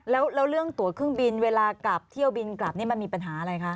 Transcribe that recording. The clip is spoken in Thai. แล้วเรื่องตัวเครื่องบินเวลากลับเที่ยวบินกลับนี่มันมีปัญหาอะไรคะ